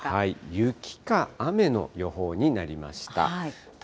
雪か雨の予報になりました。